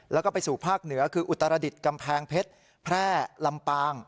แล้วก็ไปสู่ภาคเหนือคืออุตรดิษฐ์กำแพงเพชรแพร่ลำปาง